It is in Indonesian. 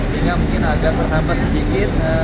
sehingga mungkin agak terhambat sedikit